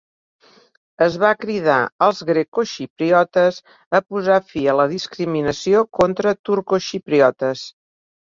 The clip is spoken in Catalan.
Es va cridar als grecoxipriotes a posar fi a la discriminació contra turcoxipriotes.